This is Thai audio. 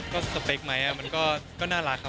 ก็สเปคมั้ยมันก็หน้ารักครับ